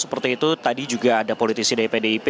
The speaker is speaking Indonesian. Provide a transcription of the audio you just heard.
seperti itu tadi juga ada politisi dari pdip